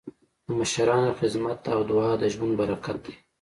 د مشرانو خدمت او دعا د ژوند برکت دی.